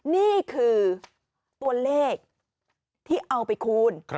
นี่คือตัวเลขที่เอาไปคูณ